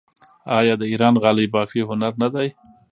آیا د ایران غالۍ بافي هنر نه دی؟